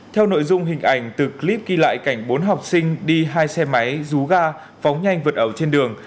theo nội dung hình ảnh từ clip ghi lại cảnh bốn học sinh đi hai xe máy rú ga phóng nhanh vượt ẩu trên đường